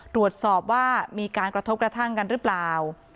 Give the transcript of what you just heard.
ตรวจสอบว่ามีการกระทบกระทั่งกันหรือเปล่า